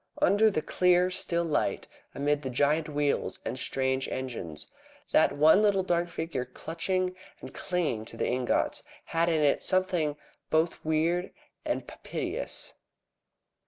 Under the clear, still light, amid the giant wheels and strange engines, that one little dark figure clutching and clinging to the ingots had in it something both weird and piteous.